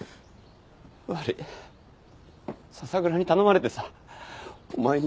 悪い笹倉に頼まれてさお前に言うなって。